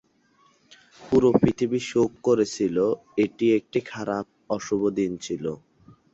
পুরো পৃথিবী শোক করেছিল এটি একটি খারাপ, অশুভ দিন ছিল।